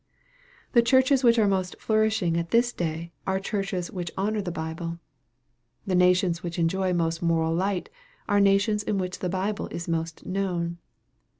The churches which are most flourishing at this day, are churches which honor the Bible. The nations which enjoy most moral light, are nations in which the Bible is most known.